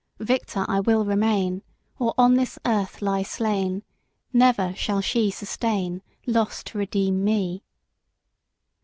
Victor I will remain, Or on this earth lie slain, Never shall she sustain Loss to redeem me.